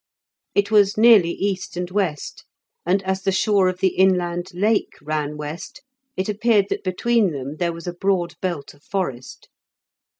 It was nearly east and west, and as the shore of the inland lake ran west, it appeared that between them there was a broad belt of forest.